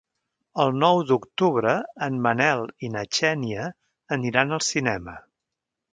El nou d'octubre en Manel i na Xènia aniran al cinema.